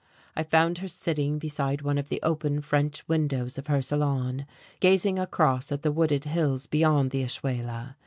I found her sitting beside one of the open French windows of her salon, gazing across at the wooded hills beyond the Ashuela.